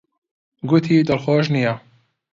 گوتی دڵخۆش نییە.